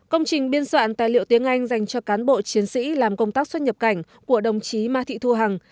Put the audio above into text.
công trình biên soạn tài liệu tiếng anh dành cho cán bộ chiến sĩ làm công tác xuất nhập cảnh của đồng chí ma thị thu hằng